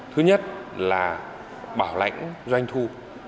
thứ nhất là bảo lãnh doanh thu